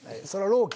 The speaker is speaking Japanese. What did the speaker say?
朗希。